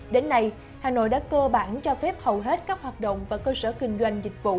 đến nay hà nội đã cơ bản cho phép hầu hết các hoạt động và cơ sở kinh doanh dịch vụ